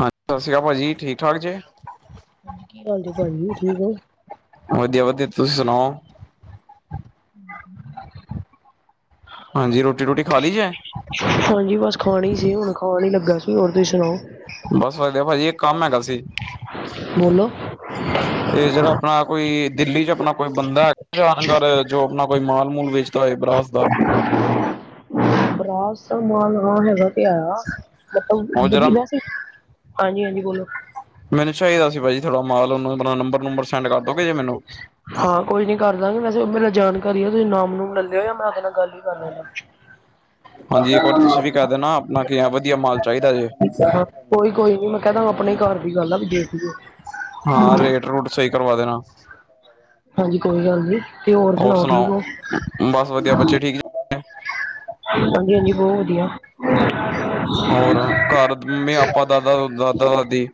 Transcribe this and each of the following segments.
ਹਾਂਜੀ ਸਤਿ ਸ੍ਰੀ ਅਕਾਲ ਭਾਜੀ ਠੀਕ ਠਾਕ ਜੇ ਹਾਂਜੀ ਕੀ ਹਾਲ ਜ ਭਾਜੀ ਠੀਕ ਓ ਵਧੀਆ ਵਧੀਆ ਤੁਸੀ ਸੁਣਾਓ [unintelligible] ਹਾਂਜੀ ਰੋਟੀ ਰੋਟੀ ਖਾ ਲਈ ਜੇ ਹਾਂਜੀ ਬਸ ਖਾਣਾ ਹੀ ਸੀ ਹੁਣ ਖਾਣ ਹੀ ਲੱਗਾ ਸੀ ਹੋਰ ਤੁਸੀਂ ਸੁਣਾਓ ਬਸ ਵਧਦੇ ਭਾਜੀ ਇੱਕ ਕੰਮ ਹੈਗਾ ਸੀ ਬੋਲੋ ਇਹ ਜਿਹੜਾ ਆਪਣਾ ਕੋਈ ਦਿੱਲੀ ਚ ਆਪਣਾ ਕੋਈ ਬੰਦਾ ਹੈਗਾ ਜਾਣਗ ਜੋ ਆਪਣਾ ਕੋਈ ਮਾਲ ਮੂਲ ਵੇਚ ਤਾ ਹੈ ਬਰਾਸ ਦਾ ਬਰਾਤ ਮਾਨ ਹੈਗਾ ਤੇ ਆਇਆ ਉਹ ਮਤਲਬ ਜਰਾ ਵੀ ਹਾਂਜੀ ਹਾਂਜੀ ਬੋਲੋ ਮੈਨੂੰ ਚਾਹੀਦਾ ਸੀ ਭਾਜੀ ਥੋੜਾ ਮਨ ਆਪ ਨੰਬਰ ਨੰਬਰ ਸੈਂਡ ਕਰ ਦੋਗੇ ਜੇ ਮੈਨੂੰ ਹਾਂ ਕੋਈ ਨੀ ਕਰ ਦਾਂਗੇ ਵੈਸੇ ਮੇਰਾ ਜਾਣਕਾਰੀ ਹੈ ਤੁਸੀਂ ਨਾਮ ਨੂਮ ਲੈ ਲਿਓ ਜਾਂ ਮੈਂ ਉਹਦੇ ਨਾਲ ਗੱਲ ਹੀ ਕਰ ਲ ਹ [unintelligible] ਹਾਂਜੀ ਇੱਕ ਵਾਰੀ ਤੁਸੀਂ ਵੀ ਕਹਿ ਦੇਣਾ ਆਪਣਾ ਕੀ ਵਧੀਆ ਮਾਲ ਚਾਹੀਦਾ ਜੇ ਕਹਦਾ ਆਪਣੇ ਘਰ ਦੀ ਗੱਲ ਆ ਵੀ ਦੇਖਲੀਓ ਹਾਂ ਰੇਟ ਰੂਟ ਸਹੀ ਕਰਵਾ ਦੇਣਾ ਹਾਂਜੀ ਕੋਈ ਗੱਲ ਨੀ ਤੇ ਹੋਰ ਠੀਕ ਸੁਣਾਓ ਹੋ? ਬਸ ਵਧੀਆ ਬੱਚੇ ਠੀਕ ਨੇ ਵਧੀਆ ਜੀ ਬਹੁਤ ਵਧੀਆ ਹੋਰ ਘਰ ਆਪਾਂ ਦਾਦਾ ਦਾਦਾ ਦਾਦੀ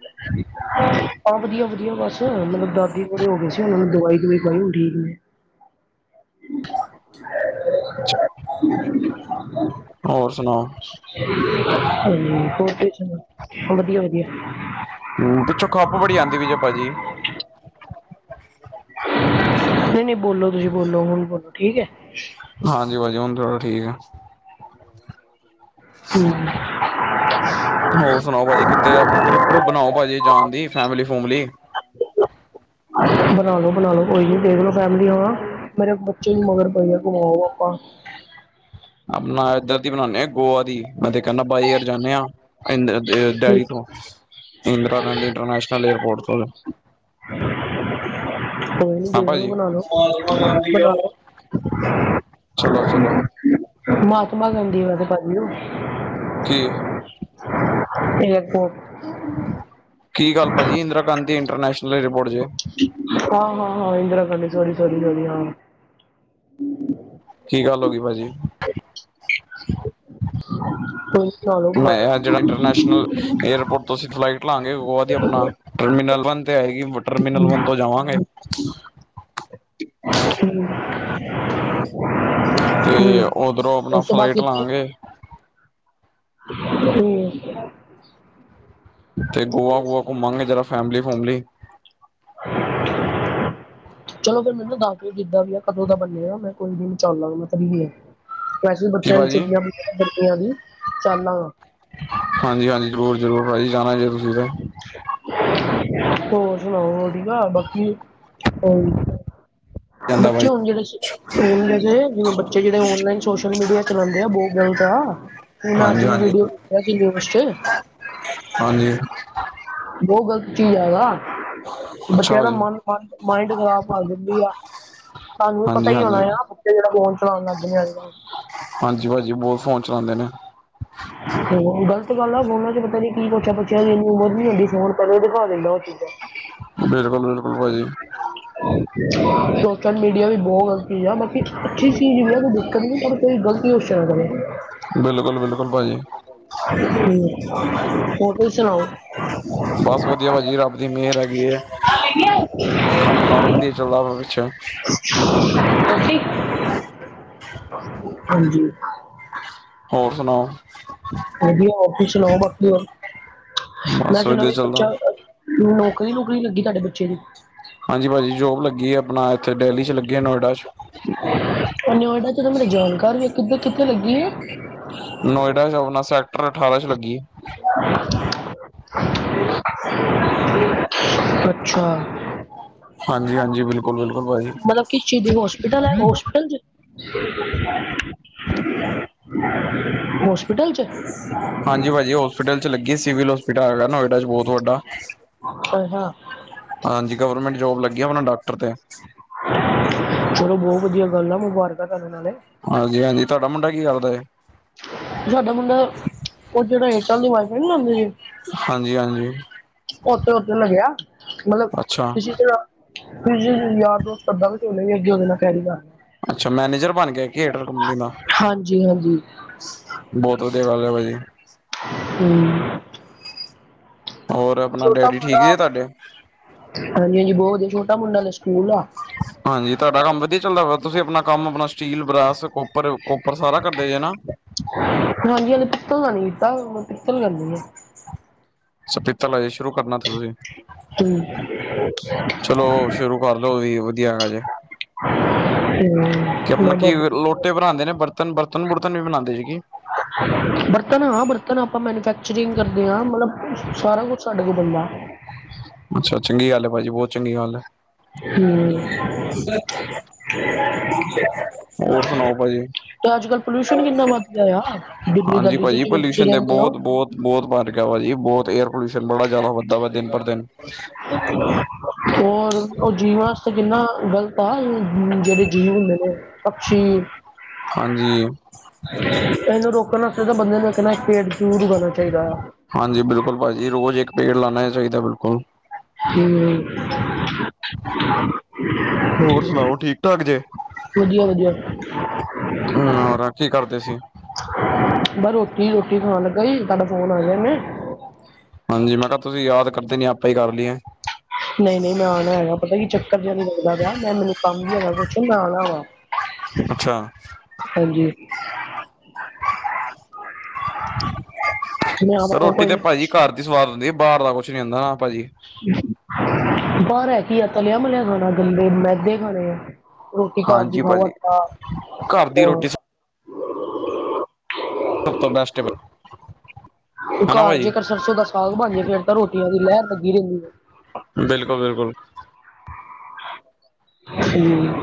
ਹਾਂ ਵਧੀਆ ਵਧੀਆ ਬਸ ਮਤਲਬ ਦਾਦੀ ਥੋੜੇ ਹੋ ਗਏ ਸੀ ਉਹਨਾਂ ਨੂੰ ਦਵਾਈ ਦਵਾਈ ਪਾਈ ਹੁਣ ਠੀਕ ਨੇ ਹੋਰ ਸੁਣਾਓ ਹੋਰ ਤੁਸੀਂ ਸੁਣਾਓ ਹੁਣ ਕੀ ਹੋ ਗਿਆ। ਹੂੰ ਪਿੱਛੋਂ ਖੱਪ ਬੜੀ ਆਉਂਦੀ ਵੀ ਜੇ ਭਾਜੀ ਨਹੀਂ ਨਹੀਂ ਬੋਲੋ ਤੁਸੀਂ ਬੋਲੋ ਹੁਣ ਬੋਲੋ ਠੀਕ ਹੈ। ਹਾਂਜੀ ਭਾਜੀ ਹੁਣ ਥੋੜਾ ਠੀਕ ਆ ਹੂੰ,,, ਹੋਰ ਸੁਣਾਓ ਭਾਜੀ ਕਿਥੇ ਓ ਆਪਣਾ ਟ੍ਰਿਪ ਟਰੁਪ ਬਣਾਓ ਭਾਜੀ ਜਾਣ ਦੀ ਫੈਮਲੀ ਫੂਮਲੀ [inaudible] ਬਣਾ ਲੋ ਬਣਾ ਲੋ ਕੋਈ ਨੀ ਦੇਖਲੋ ਫੈਮਲੀ ਹੁਣ ਮੇਰੇ ਬੱਚੇ ਵੀ ਮਗਰ ਪਏ ਘੁਮਾਓ ਪਾਪਾ ਮੈਂ ਇਧਰ ਦੀ ਬਣਾਉਣੇ ਆ ਗੋਆ ਦੀ ਕਦੇ ਕਹਿੰਦਾ ਬਾਏ ਏਅਰ ਜਾਂਦੇ ਹਾਂ। ਦਿਲੀ ਤੋਂ ਇੰਦਰਾ ਗਾਂਧੀ ਇੰਟਰਨੈਸ਼ਨਲ ਏਅਰਪੋਰਟ ਤੋਂ ਕੋਈ ਨੀ ਹਾਂ ਜਿਵੇਂ ਭਾਜੀ। ਬਣਾ ਲੋ ਬਣਾ ਲੋ ਚਲੋ ਚਲੋ ਮਹਾਤਮਾ ਗਾਂਧੀ ਵਾਲੇ ਪਾਲੂ ਜੀ ਇਹ ਕੋ ਕੀ ਗੱਲ ਭਾਜੀ ਇੰਦਰਾ ਗਾਂਧੀ ਇੰਟਰਨੈਸ਼ਨਲ ਏਅਰਪੋਰਟ ਜੇ ਹਾਂ ਹਾਂ ਹਾਂ ਇਦਰਾ ਗਾਂਧ ਸੋਰੀ ਸੋਰੀ ਹਾਂ। ਕੀ ਗੱਲ ਹੋ ਗਈ ਭਾਜੀ [inaudible] ਕੋਈ ਨੀ ਬਣਾ ਲਓ ਬਣਾ ਮੈਂ ਲਓ ਜਿਹੜਾ ਇੰਟਰਨੈਸ਼ਨਲ ਏਅਰਪੋਰਟ ਤੋਂ ਅਸੀਂ ਫਲਾਈਟ ਲਾਂਗੇ ਗੋਆ ਦੀ ਆਪਣਾ ਟਰਮੀਨਲ ਵੰਨ ਤੇ ਹੈਗੀ [unintelligible] ਤੇ ਹਮ ਓਧਰੋਂ ਆਪਣਾ ਉਸ ਤੋਂ ਬਾਅਦ ਫਲਾਈਟ ਲਾਂਗੇ ਠੀਕ ਹੈ। ਤੇ ਗੋਆ ਗੁਆ ਘੁੰਮਾਂਗੇ ਜਰਾ ਫੈਮਲੀ ਫੂਮਲੀ ਚਲੋ ਫਿਰ ਮੈਨੂੰ ਦੱਸ ਦਿਓ ਜਿੱਦਾਂ ਵੀ ਆ ਕਦੋਂ ਦਾ ਬਣਿਆ ਮੈਂ ਕੋਈ ਨੀ ਮੈਂ ਚਲਾ ਗੇ ਤਾਂ ਕੀ ਏ [unintelligible] ਵੈਸੇ ਵੀ ਬੱਚਿਆਂ ਦੀ ਭਾਜੀ ਛੁੱਟੀਆਂ ਬਣਾ ਗਰਮੀਆਂ ਦੀ ਚੱਲਾਂਗਾ ਹਾਂਜੀ ਹਾਂਜੀ ਜ਼ਰੂਰ ਜ਼ਰੂਰ ਭਾਜੀ ਜਾਣਾ ਜੇ ਜਰੂਰੀ ਜੇ ਹੋਰ ਹੋਰ ਨਾ ਬਾਕੀ ਜਾਂਦਾ ਬੱਚੇ ਭਾਜੀ ਹੋਣ ਜਿਹੜੇ ਹੁਣ ਵੈਸੇ ਜਿਵੇਂ ਬੱਚੇ ਜਿਹੜੇ ਔਨਲਾਈਨ ਸੋਸ਼ਲ ਮੀਡੀਆ ਚਲਾਉਂਦੇ ਆ ਬਹੁਤ ਗ਼ਲਤ ਆ ਉਹਨਾਂ ਅੱਜ ਹਾਂਜੀ ਹਾਂਜੀ ਵੀਡੀਓ ਸੀ ਨਿਊਜ਼ ਚ ਹਾਂਜੀ ਬਹੁਤ ਗ਼ਲਤ ਚੀਜ਼ ਹੈਗਾ ਅੱਛਾ ਬੱਚਿਆਂ ਦਾ ਭਾਜੀ ਮਨ ਮਾਇੰਡ ਖ਼ਰਾਬ ਕਰ ਜਾਂਦੀ ਆ ਤਹਾਨੂੰ ਪਤਾ ਹਾਂਜੀ ਹੀ ਹੋਣਾ ਹਾਂਜੀ ਆ ਬੱਚੇ ਜਿਹੜੇ ਫੋਨ ਚਲਾਉਣ ਪਿਆ ਆ ਅੱਜ ਕੱਲ ਹਾਂਜੀ ਭਾਜੀ ਬਹੁਤ ਫੋਨ ਚਲਾਉਂਦੇ ਨੇ ਤੇ ਗਲਤ ਗੱਲ ਆ ਫੋਨਾਂ ਚ ਪਤਾ ਨੀ ਕੀ ਪੁੱਛਿਆ ਪੁਛਿਆ ਇਨੀ ਉਮਰ ਨੀ ਹੁੰਦੀ ਫੋਨ ਪਹਿਲੇ ਦਿਖੇ ਤਾਂ ਲੁਕਾ ਲਈਦਾ ਬਿਲਕੁਲ ਬਿਲਕੁਲ ਭਾਜੀ ਸੋਸ਼ਲ ਮੀਡੀਆ ਵੀ ਬਹੁਤ ਬਾਕੀ ਅੱਛੀ ਚੀਜ਼ ਵੀ ਆ ਕੋਈ ਦੇਖਣ [unintelligible] ਬਿਲਕੁਲ ਬਿਲਕੁਲ ਭਾਜੀ ਹੂੰ ਹੋਰ ਤੁਸੀਂ ਸੁਣਾਓ। ਬਸ ਵਧੀਆ ਭਾਜੀ ਰੱਬ ਦੀ ਮਿਹਰ ਹੈਗੀ ਹੈ। ਕੰਮ ਕਾਰ ਵਧੀਆ ਚੱਲਦਾ ਵ ਕੁਛ ਹਾਂਜੀ। ਹੋਰ ਸੁਣਾਓ? [unintelligible] ਕਚਾ ਬਸ ਵਧੀਆ ਚੱਲਦਾ ਨੌਕਰੀ- ਨੂਕਰੀ ਲੱਗੀ ਤੁਹਾਡੇ ਬੱਚੇ ਦੀ। ਹਾਂਜੀ ਭਾਜੀ ਜੋਬ ਲੱਗੀ ਹੈ ਆਪਣਾ ਇੱਥੇ ਡੈਹਲੀ ਚ ਲੱਗੀ ਹੈ ਨੋਇਡਾ ਚ। ਨੋਇਡਾ ਚ ਤ ਮੇਰਾ ਜਾਣਕਾਰ ਵੀ ਆ, ਕਿੱਦਾਂ ਕਿੱਥੇ ਲੱਗੀ ਆ। ਨੋਇਡਾ ਚ ਆਪਣਾ ਸੈਕਟਰ ਅਠਾਰਾਂ ਚ ਲੱਗੀ ਐ। ਅੱਛਾ। ਹਾਂਜੀ- ਹਾਂਜੀ ਬਿਲਕੁਲ। ਬ ਬਿਲਕੁਲ ਭਾਜੀ। ਮਤਲਬ ਕਿਸ ਚੀਜ਼ ਦੀ ਹੋਸਪਿਟਲ ਹੈ ਹੋਸਪਿਟਲ ਚ। ਹੋਸਪਿਟਲ ਚ। ਹਾਂਜੀ ਭਾਅਜੀ ਹੋਸਪਿਟਲ ਚ ਲੱਗੀ, ਸਿਵਲ ਹੋਸਪਿਟਲ ਹੈਗਾ ਨੋਇਡਾ ਚ ਬਹੁਤ ਵੱਡਾ। ਆਏ ਹਾਂ। ਹਾਂਜੀ ਗਵਰਮੈਂਟ ਜੋਬ ਲੱਗੀ ਹੈ, ਆਪਣਾ ਡਾਕਟਰ ਤੇ। ਚਲੋ ਬਹੁਤ ਵਧੀਆ ਗੱਲ ਆ, ਮੁਬਾਰਕਾਂ ਤੁਹਾਡੇ ਨਾਲੇ। ਹਾਂਜੀ -ਹਾਂਜੀ ਤੁਹਾਡਾ ਮੁੰਡਾ ਕੀ ਕਰਦਾ ਐ। ਸਾਡਾ ਮੁਡਾ ਉਹ ਜਿਹੜਾ ਏਅਟੈਲ ਦੀ ਵਾਈਫਾਈ ਨੀ ਲਾਦੇ ਜੇ। ਹਾਂਜੀ-ਹਾਂਜੀ। ਉੱਥੇ-ਉੱਥੇ ਲੱਗਿਆ, ਮਤਲਬ ਤੁਸੀਂ ਅੱਛਾ-ਅੱਛਾ ਤੁਸੀ ਯਾਰ ਦੋਸਤ [unintelligible] ਅ਼ਉਹਦੇ ਨਾਲ ਕਹਿ ਕ ਮੈਨੇਜਰ ਬਣ ਗਿਆ ਕੇਟਰ ਕੰਪਨੀ ਦਾ। ਹਾਂਜੀ- ਹਾਂਜੀ। ਬਹੁਤ ਵਧੀਆ ਗੱਲ ਹੈ ਭਾਜੀ। ਹੂੰ। ਹੋਰ ਆਪਣਾ ਛੋਟਾ ਡੈਡੀ ਠੀਕ ਮੁੰਡਾ ਜਹ ਤੁਹਾਡੇ? ਹਾਂਜੀ- ਹਾਂਜੀ ਬਹੁਤ ਵਧਿਆ ਛੋਟਾ ਮੁੰਡਾ ਤਾਂ ਸਕੂਲ ਆ। ਹਾਂਜੀ ਤੁਹਾਡਾ ਕੰਮ ਵਧੀਆ ਚੱਲਦਾ ਵਾ ਤੁਸੀਂ ਆਪਣਾ ਕੰਮ ਆਪਣਾ ਸਟੀਲ, ਬਰਾਸ ਕੋਪਰ, ਕੋਪਰ ਸਾਰਾ ਕਰਦੇ ਜੇ ਨਾ। ਹਾਂਜੀ ਹਜੇ ਪਿੱਤਲ ਦਾ ਨੀ ਕੀਤਾ ਪਿੱਤਲ ਕਰਨੀ ਆ। ਅੱਛਾ ਪੀਤਲ ਹਜੇ ਸ਼ੁਰੂ ਕਰਨਾ ਤੁਸੀਂ। ਹੂੰ ਕਰਲਓ ਵੀ ਵਧੀਆ ਰਹਿਣਾ ਜੇ। ਹਾ ਕਿ ਆਪਣਾ ਕੀ ਲੋਟੇ ਬਣਾਉਂਦੇ ਨੇ ਬਰਤਨ, ਬਰਤਨ-ਬੁਰਤਨ ਵੀ ਬਣਾਉਂਦੇ ਸੀ ਕੀ। ਬਰਤਨ ਹਾਂ ਬਰਤਨ ਆਪਾਂ ਮੈਨਫੈਕਚਰਿੰਗ ਕਰਦੇ ਹਾਂ ਮਤਲਬ ਸਾਰਾ ਕੁਛ ਸਾਡੇ ਕੋਲ ਬੰਦਾ। ਅੱਛਾ ਚੰਗੀ ਗੱਲ ਹੈ ਭਾਜੀ ਬਹੁਤ ਚੰਗੀ ਗੱਲ ਹੈ। ਹੂੰ। ਹੋਰ ਸੁਣਾਓ ਭਾਜੀ? ਤੇ ਅੱਜ ਕੱਲ ਪੋਲਿਊਸ਼ਨ ਕਿੰਨਾ ਵੱਧ ਗਿਆ ਆ ਹਾਂਜੀ ਦਿਲੀ-ਦਾਲੀ ਚ ਭਾਜੀ ਜਿੱਥੇ ਤੁਸੀਂ ਪੋਲਿਊਸ਼ਨ ਤੇ ਰਹਿੰਦੇ ਹੋ। ਬਹੁਤ ਬਹੁਤ ਬਹੁਤ ਵਧ ਗਿਆ ਭਾਜੀ ਬਹੁਤ ਏਅਰ ਪੋਲਿਊਸ਼ਨ ਬੜਾ ਜ਼ਿਆਦਾ ਵੱਧਦਾ ਵਾ ਦਿਨ ਪਰ ਦਿਨ। ਹੋਰ ਉਹ ਜੀਵਾਂ ਵਾਸਤੇ ਕਿੰਨਾ ਗ਼ਲਤ ਤਾਂ ਜਿਹੜੇ ਜੀਵ ਹੁੰਦੇ ਨੇ ਪਕਸ਼ੀ। ਹਾਂਜੀ ਇਹਨੂੰ ਰੋਕਣ ਵਾਸਤੇ ਤਾਂ ਬੰਦੇ ਨੂੰ ਇੱਕ ਨਾ ਇਕ ਪੇੜ-ਪੂੜ ਲਗਾਣਾ ਚਾਹੀਦਾ ਆ। ਹਾਂਜੀ ਬਿਲਕੁਲ ਭਾਜੀੀ ਰੋਜ਼ ਇੱਕ ਪੇੜ ਲਾਉਣਾ ਹੀ ਚਾਹੀਦਾ ਬਿਲਕੁਲ। ਹਮ ਹੋਰ [unintelligible] ਸੁਣਾਓ ਠੀਕ ਠਾਕ ਵਧੀਆ, ਵਧੀਆ। ਹਮ ਰਚੀ ਕਰਦੇ ਸੀ। ਬਸ ਰੋਟੀ ਰੂਟੀ ਖਾਣ ਲੱਗਾ ਸੀ ਕੱਲ ਫੋਨ ਆ ਗਿਆ। ਹਾਂਜੀ ਮੈਂ ਕਿਹਾ ਤੁਸੀਂ ਯਾਦ ਕਰਦੇ ਨੀ ਆਪੇ ਹੀ ਕਰ ਲਈਏ। ਨਹੀਂ ਨਹੀਂ ਮੈਂ ਆਉਣਾ ਹੈਗਾ ਪਤਾ ਕੀ ਚੱਕਰ ਜਿਹਾ ਨੀ ਲੱਗਦਾ ਪਿਆ ਮੈਂ ਮੈਨੂੰ ਕੰਮ ਵੀ ਹੈਗਾ ਕੁਛ ਮੈਂ ਆਉਣਾ ਵਾਂ। ਅੱਛਾ। ਹਾਂਜੀ। ਮੈਂ ਆਵਾਂਗਾ ਰੋਟੀ ਕੋਈ ਤੇ ਭਾਜੀ ਘਰ ਨਹੀਂ ਦੀ ਸਵਾਦ ਹੁੰਦੀ ਬਾਹਰ ਦਾ ਕੁਛ ਨੀ ਹੁੰਦਾ ਭਾਜੀ। ਬਾਹਰ ਹੈ ਕੀ ਆ ਤਲਿਆ ਮਲਿਆ ਖਾਣਾ ਗੰਦੇ ਮੈਦੇ ਖਾਣੇ ਆ। ਰੋਟੀ ਘਰ ਦੀ ਹਾਂਜੀ ਖਾਓ ਭਾਜੀ ਘਰ ਦੀ ਰੋਟੀ ਸਭ ਤੋਂ ਬੈਸਟ ਹਨਾ ਘਰ ਭਾਜੀ ਜੇਕਰ ਸਰਸੋਂ ਦਾ ਸਾਗ ਬਣਜੇ ਫਿਰ ਤਾਂ ਰੋਟੀਆਂ ਦੀ ਲਹਿਰ ਲੱਗੀ ਰਹਿੰਦੀ ਹੈ। ਬਿਲਕੁਲ ਬਿਲਕੁਲ। ਹਮ।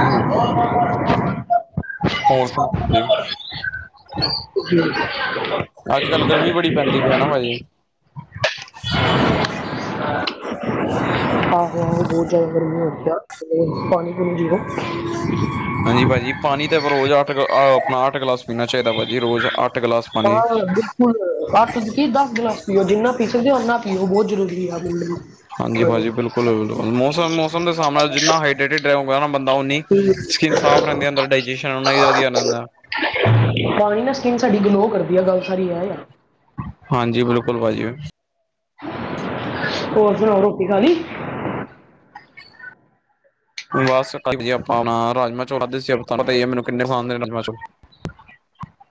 ਹਮ। ਹੋਰ ਸੁਣਾਉ ਤੁਸੀਂ [unintelligible] ਆਹੋ ਆਹੋ ਬਹੁਤ ਜ਼ਿਆਦਾ ਗਰਮੀ ਹੋ ਗਈ ਆ ਕਿਧਰ ਪਾਣੀ ਪੂਣੀ ਪੀਓ ਹਾਂਜੀ ਭਾਜੀ ਪਾਣੀ ਤਾਂ ਰੋਜ਼ ਅੱਠ ਆਪਣਾ ਅੱਠ ਗਲਾਸ ਪੀਣਾ ਚਾਹੀਦਾ ਭਾਜੀ ਰੋਜ਼ ਅੱਠ ਗਲਾਸ ਪਾਣੀ ਹੁਣ ਅੱਠ ਕਿ ਦਸ ਗਲਾਸ ਪੀਓ ਜਿੰਨਾ ਪੀ ਸਕਦੇ ਹੋ ਓਨਾ ਪੀਓ ਬਹੁਤ ਜ਼ਰੂਰੀ ਹੈ। ਹਾਂਜੀ ਭਾਜੀ ਬਿਲਕੁਲ ਬਿਲਕੁਲ ਮੌਸਮ ਮੌਸਮ ਦੇ ਹਿਸਾਬ ਨਾਲ ਜਿੰਨਾ ਹਾਈਡਰੇਟਡ ਰਹੇਗਾ ਨਾ ਬੰਦਾ ਉਨੀ ਸਕਿੰਨ ਸਾਫ਼ ਰਹਿੰਦੀ ਆ ਅੰਦਰ ਡਾਇਜੈਸ਼ਨ ਉਨਾ ਹੀ ਵਧੀਆ ਰਹਿੰਦਾ। ਪਾਣੀ ਨਾਲ ਸਕਿਨ ਸਾਡੀ ਗਲੋ ਕਰਦੀ ਆ ਗੱਲ ਸਾਰੀ ਇਹ ਆ। ਹਾਂਜੀ ਬਿਲਕੁਲ ਭਾਜੀ। ਹੋਰ ਫੇਰ ਹੋਰ ਰੋਟੀ ਖਾ ਲਈ। ਬਸ ਠੀਕ ਜੀ ਆਪਾਂ ਆਪਣਾ ਰਾਜਮਾਂ ਚੋਲ ਮੈਨੂੰ ਕਿੰਨੇ ਪਸੰਦ ਰਾਜਮਾਂ ਚੋਲ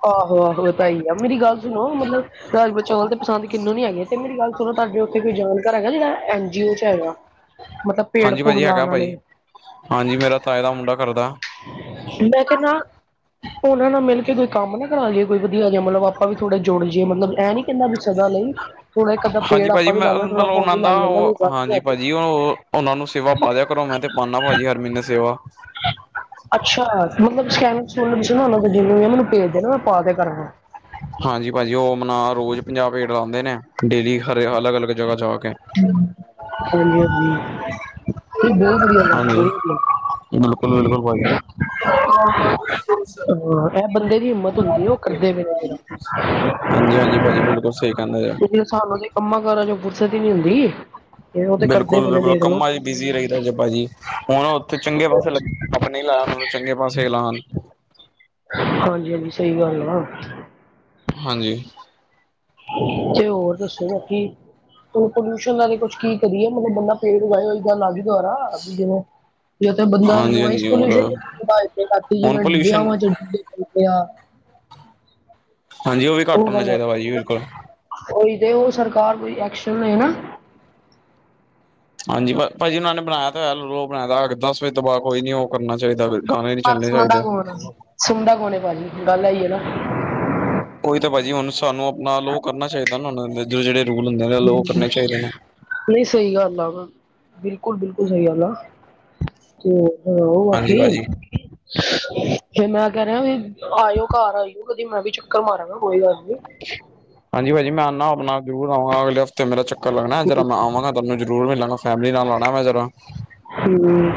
ਆਹੋ ਆਹੋ ਵਧਾਈਆਂ ਮੇਰੀ ਗੱਲ ਸੁਣੋ ਮਤਲਬ ਰਾਜਸਾ ਚੌਲ ਤੇ ਪਸੰਦ ਕਿਹਨੂੰ ਨੀ ਹੈਗੇ ਤੇ ਮੇਰੀ ਗੱਲ ਸੁਣੋ ਤੁਹਾਡੇ ਉੱਥੇ ਕੋਈ ਜਾਣਕਾਰ ਹੈਗਾ ਜਿਹੜਾ ਐਨ ਜੀਓ ਚ ਹੈਗਾ। ਮਤਲਬ ਪੇੜ ਹਾਂਜੀ ਪੂੜ ਭਾਜੀ ਹੈਗਾ ਲਾਉਣ ਭਾਜੀ ਵਾਲੇ ਹਾਂਜੀ ਮੇਰਾ ਤਾਏ ਦਾ ਮੁੰਡਾ ਕਰਦਾ। ਮੈਂ ਕਿਹਾ ਨਾ ਉਹਨਾਂ ਨਾਲ ਮਿਲ ਕੇ ਕੋਈ ਕੰਮ ਨਾ ਕਰਾ ਲਈਏਈ ਵਧੀਆ ਮਤਲਬ ਆਪਾਂ ਵੀ ਥੋੜੇ ਜੁੜ ਜਾਈਏ ਮਤਲਬ ਇਹ ਨੀ ਤਿੰਨਾਂ ਕੁ ਸਾਲਾਂ ਲਈ ਥੋੜਾ ਇੱਕ ਅੱਧਾ ਹਾਂਜੀ ਪੇੜ ਭਾਜੀ ਆਪਾਂ ਵੀ ਲਾ ਮੈਂ ਲੈਣਾ ਥੋੜਾ ਪੁਨ ਹੀ ਲੱਗ ਜਾਂਦਾ ਕੋਈ ਗੱਲ ਨਹੀਂ। ਤੇ ਉਹ ਉਹਨਾ ਨੂੰ ਸੇਵਾ ਪਾ ਦਿਆ ਕਰੋ ਮੈਂ ਤੇ ਪਾਉਦਾ ਭਾਜੀ ਹਰ ਮਹੀਨੇ ਸੇਵਾ। ਅੱਛਾ ਮਤਲਬ ਸੈਨਿਕ ਸਕੂਲ ਸੀ ਨਾ ਉਹਨਾਂ ਜਿਵੇਂ ਮੈਨੂੰ ਭੇਜਦੇ ਨਾ ਮੈਂ ਪਾ ਕੇ ਕਰਾਂ। ਹਾਂਜੀ ਭਾਜੀ ਉਹ ਆਪਣਾ ਰੋਜ਼ ਪੰਜਾਹ ਪਲੇਟ ਲਾਉਂਦੇ ਨੇ ਡੇਲੀ ਹਰੇਕ ਅਲੱਗ ਅਲੱਗ। ਜ੍ਹਗਾ ਜਾ ਕੇ ਹਾਂਜੀ ਹਾਂਜੀ ਇਹ ਬਹੁਤ ਵਧੀਆ ਗੱਲ ਹੈ ਹਾਂਜੀ ਬਹੁਤ ਵਧੀਆ। ਬਿਲਕੁਲ ਬਿਲਕੁਲ ਭਾਜੀ। ਹਾਂ ਇਹ ਬੰਦੇ ਦੀ ਹਿੰਮਤ ਹੁੰਦੀ ਉਹ ਕਰਦੇ ਪਏ ਇਹ ਜਿਹੜਾ ਹਾਂਜੀ ਹਾਂਜੀ ਭਾਜੀ ਬਿਲਕੁਲ ਸਹੀ ਕਹਿੰਦਾ ਪਿਆ। ਕਿਉਂਕਿ ਸਾਨੂੰ ਦੇ ਕੰਮਾਂ ਕਾਰਾਂ ਚੋਂ ਫੁਰਸਤ ਹੀ ਨੀ ਹੁੰਦੀ ਤੇ ਉਹ ਤੇ ਕਰਦੇ ਬਿਲਕੁਲ ਪਏ ਨੇ ਬਿਲਕੁਲ ਦੇਖ ਲਓ। ਕੰਮਾਂ ਚ ਬਿਜ਼ੀ ਰਹੀਦਾ ਜੀ ਭਾਜੀ, ਹੁਣ ਉੱਥੇ ਚੰਗੇ ਪਾਸੇ ਨਹੀਂ ਲੱਗੇ ਚੰਗੇ ਪਾਸੇ ਲਾਉਣ ਹਾਂਜੀ ਹਾਂਜੀ ਸਹੀ ਗੱਲ ਆ। ਹਾਂਜੀ। ਜੀ ਹੋਰ ਦੱਸੋ ਅੱਗੇ। ‍ ਪੋਲਿਊਸ਼ਨ ਵਾਲਾ ਕੁਛ ਕੀ ਕਰੀਏ ਮਤਲਬ ਬੰਦਾ ਪੇੜ ਉਗਾਏ ਹੋਈ ਗੱਲ ਆ ਗਈ ਦੁਆਰਾ ਵੀ ਜਦੋਂ ਤੇ ਬੰਦਾ ਹਾਂਜੀ ਇਨਵਾਈਸ ਹਾਂਜੀ ਹੋਰ ਹੁਣ ਪੋਲਿਊਸ਼ਨ [unintelligible] ਹਾਂਜੀ ਉਹ ਵੀ ਘੱਟ ਹੋਣਾ ਚਾਹੀਦਾ ਭਾਜੀ ਬਿਲਕੁਲ। ਉਹੀ ਤੇ ਉਹ ਸਰਕਾਰ ਕੋਈ ਐਕਸ਼ਨ ਲੇ ਨਾ ਹਾਂਜੀ ਭਾਜੀ ਉਹਨਾਂ ਨੇ ਬਣਾਇਆ ਤਾਂ ਹੋਇਆ ਲੋਅ ਬਣਾਇਆ ਦੱਸ ਵੱਜੇ ਦਬਾਅ ਕੋਈ ਨੀ ਉਹ ਕਰਨਾ ਚਾਹੀਦਾ ਗਾਣੇ ਨੀ ਪਰ ਚੱਲਣੇ ਸੁਣਦਾ ਚਾਹੀਦੇ ਕੌਣ ਆ ਸੁਣਦਾ ਕੌਣ ਭਾਜੀ ਗੱਲ ਆਈ ਹੈ ਨਾ ਉਹੀ ਤਾਂ ਭਾਜੀ ਹੁਣ ਸਾਨੂੰ ਆਪਣਾ ਲੋਅ ਕਰਨਾ ਚਾਹੀਦਾ ਨਾ ਜਿਹੜੇ ਜਿਹੜੇ ਰੂਲ ਹੁੰਦੇ ਨੇ ਲੋਅ ਕਰਨੇ ਚਾਹੀਦੇ ਨੇ ਨਹੀਂ ਸਹੀ ਗੱਲ ਆ ਉਹ ਤਾਂ, ਬਿਲਕੁਲ, ਬਿਲਕੁਲ ਸਹੀ ਗੱਲ ਆ ਤੇ ਆਹ ਉਹ ਹਾਂਜੀ ਆਖੀ ਭਾਜੀ। ਫਿਰ ਮੈਂ ਕਹਿ ਰਿਹਾ ਵੀ ਆਇਓ ਘਰ ਆਈਓ ਕਦੇ ਮੈਂ ਵੀ ਚੱਕਰ ਮਾਰਾਂਗਾ ਕੋਈ ਗੱਲ ਨੀ ਹਾਂਜੀ ਭਾਜੀ ਮੈਂ ਆਉਂਦਾ ਆਪਣਾ ਜ਼ਰੂਰ ਆਵਾਂਗਾ ਅਗਲੇ ਹਫ਼ਤੇ ਤੇ ਮੇਰਾ ਚੱਕਰ ਲੱਗਣਾ ਜਰਾ ਮੈਂ ਆਵਾਂਗਾ ਤੁਹਾਨੂੰ ਜਰੂਰ ਮਿਲਾਂ ਫੈਮਲੀ ਨਾਲ ਆਣਾ ਮੈਂ ਜਰਾ। ਹੂੰ।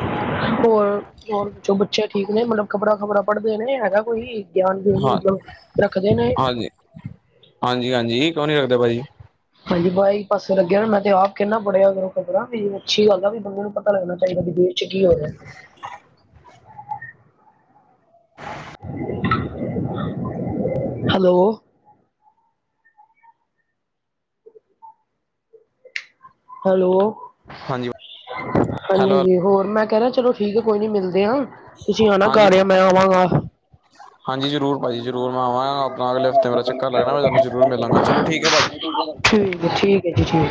ਹੋਰ ਹੋਰ ਦੱਸੋ ਬੱਚੇ ਠੀਕ ਨੇ ਮਤਲਬ ਖ਼ਬਰਾਂ ਖ਼ਬਰਾਂ ਪੜ੍ਹਦੇ ਨੇ ਹੈਗਾ ਕੋਈ ਗਿਆਨ ਗਿਉਨ ਹਾਂ ਮਤਲਬ ਰੱਖਦੇ ਨੇ ਹਾਂਜੀ ਹਾਂਜੀ ਹਾਂਜੀ ਕਿਉ ਨੀ ਰੱਖਦੇ ਭਾਜੀ ਹਾਂਜੀ ਬ ਪਾਸੇ ਲੱਗਿਆ ਮੈਂ ਤੇ ਆਪ ਕਹਿੰਦਾ ਪੜਿਆ ਕਰੋ ਖ਼ਬਰਾਂ ਵੀ ਅੱਛੀ ਗੱਲ ਆ ਵੀ ਬੰਦੇ ਨੂੰ ਪਤਾ ਲਗਣਾ ਚਾਹੀਦਾ ਦੁਨੀਆ ਚ ਕੀ ਹੋ ਰਿਹਾ। ਹੈਲੋ ਹੈਲੋ ਹਾਂਜੀ ਹਾਂਜੀ ਹੈਲੋ ਹਾਂਜੀ ਹੋਰ ਮੈਂ ਕਹਿ ਰਿਹਾ ਚਲੋ ਠੀਕ ਆ ਕੋਈ ਨੀ ਮਿਲਦੇ ਹ ਤੁਸੀਂ ਆ ਨਾ ਹਾਂਜੀ। ਘਰ ਆ ਮੈਂ ਆਵਾਂਗਾ ਹਾਂਜੀ ਜ਼ਰੂਰ ਭਾਜੀ ਜਰੂਰ ਮੈਂ ਆਵਾਂਗਾ ਆਪਣਾ ਅਗਲੇ ਹਫ਼ਤੇ ਮੇਰਾ ਚੱਕਰ ਲੱਗਣਾ ਮੈਂ ਤੁਹਾਨੂੰ ਜਰੂਰ ਮਿਲਾਂਗਾ ਚਲੋ ਠੀਕ ਹੈ ਭਾਜੀ ਠੀਕ ਹੈ ਠੀਕ ਹੈ ਜੀ ਠੀਕ